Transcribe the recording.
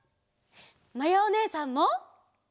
まやおねえさんも！